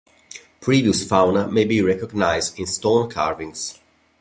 Previous fauna may be recognised in stone carvings.